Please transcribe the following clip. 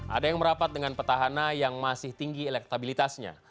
ada yang merapat dengan petahana yang masih tinggi elektabilitasnya